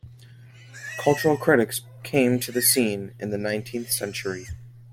Cultural critics came to the scene in the nineteenth century.